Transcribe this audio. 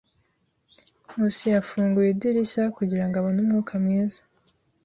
Nkusi yafunguye idirishya kugirango abone umwuka mwiza.